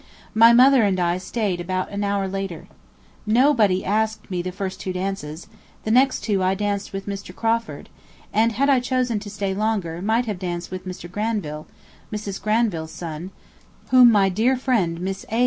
My mother and I staid about an hour later. Nobody asked me the two first dances; the two next I danced with Mr. Crawford, and had I chosen to stay longer might have danced with Mr. Granville, Mrs. Granville's son, whom my dear friend Miss A.